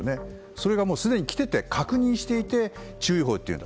それがもうすでに来てて確認していて注意報というの。